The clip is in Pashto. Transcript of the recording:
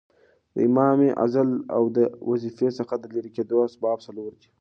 د امام د عزل او د وظیفې څخه د ليري کېدو اسباب څلور دي.